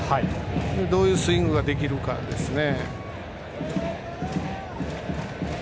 どういうスイングができるかですね。